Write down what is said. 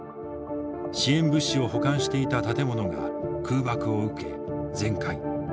支援物資を保管していた建物が空爆を受け全壊。